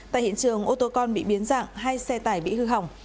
tại hiện trường ô tô con bị biến dạng hai xe tải bị hư hỏng